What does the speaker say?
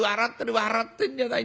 笑ってんじゃない。